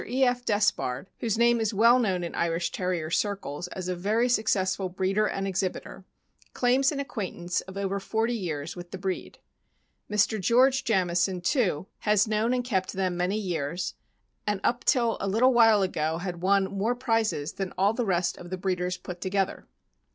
E. F. Despard, whose name is well known in Irish Terrier circles as a very successful breeder and exhibitor, claims an acquaintance of over forty years with the breed. Mr. George Jamison, too, has known and kept them many years, and up till a little while ago had won more prizes than all the rest of the breeders put together.